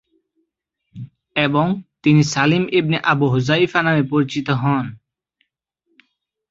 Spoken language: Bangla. এবং তিনি সালিম ইবনে আবু হুজাইফা নামে পরিচিত হন।